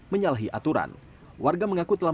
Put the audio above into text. menyalahi aturan warga mengaku telah